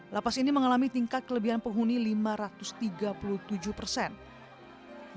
lapas ini mengalami tingkat kelebihan penghuni lima ratus tiga puluh tujuh persen